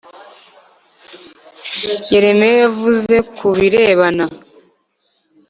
Yeremiya yavuze ku birebana